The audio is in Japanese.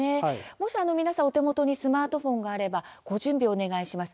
もし皆さんお手元にスマートフォンがあればご準備をお願いします。